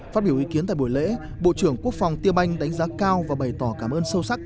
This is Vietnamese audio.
phát biểu ý kiến tại buổi lễ bộ trưởng quốc phòng tiêm anh đánh giá cao và bày tỏ cảm ơn sâu sắc